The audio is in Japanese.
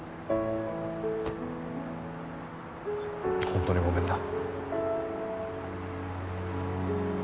本当にごめんな。